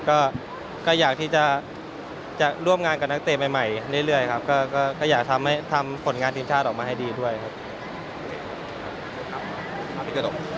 ก็อยากที่จะร่วมงานกับนักเตะใหม่เรื่อยครับก็อยากทำผลงานทีมชาติออกมาให้ดีด้วยครับ